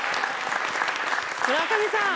村上さん